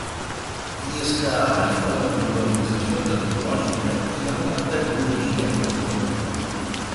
I és que abans de la globalització tecnològica hi ha una tecnologia que ho provoca.